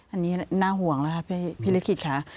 อันนี้น่าห่วงแล้วครับพี่ฤทธิ์คิดค่ะ